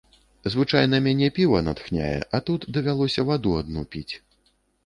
Звычайна мяне піва натхняе, а тут давялося ваду адну піць.